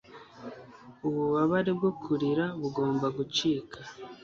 Ububabare bwo kurira bugomba gucika